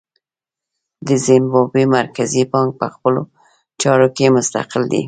د زیمبابوې مرکزي بانک په خپلو چارو کې مستقل دی.